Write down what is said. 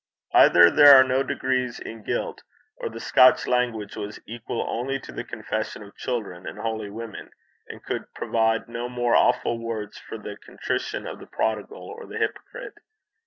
Either there are no degrees in guilt, or the Scotch language was equal only to the confession of children and holy women, and could provide no more awful words for the contrition of the prodigal or the hypocrite.